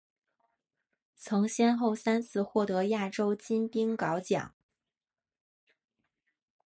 曾先后三次获得亚洲金冰镐奖。